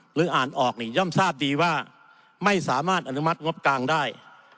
หรืออ่านออกนี่ย่อมทราบดีว่าไม่สามารถอนุมัติงบกลางได้